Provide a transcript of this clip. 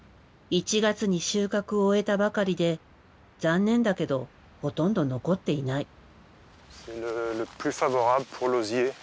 １月に収穫を終えたばかりで残念だけどほとんど残っていない。